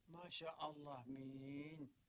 masya allah min